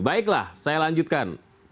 baiklah saya lanjutkan